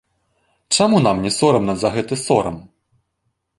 Чаму нам не сорамна за гэты сорам?